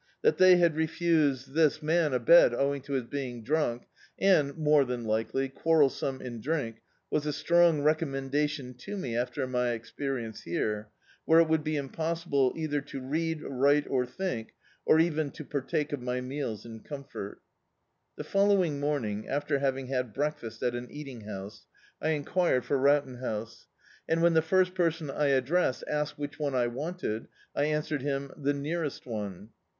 That they had refused this D,i.,.db, Google The Autobiography of a Super Tramp man a bed owing to his being drunk, and, more than likely, quarrelsome in drink, was a strong recom mendation to me after my experience here, where it would be impossible to either read, write or diink, or to even partake of my meals in cwnfort. The following morning, after having had break fast at an eating house, I enquired for Rowton House, and when the first person I addressed asked which one I wanted, I answered him — "the nearest one."